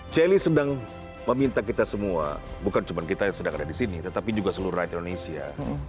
celi sedang meminta kita semua bukan cuma kita yang sedang ada di sini tetapi juga seluruh rakyat indonesia